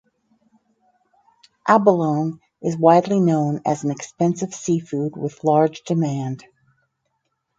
Abalone is widely known as an expensive seafood with large demand.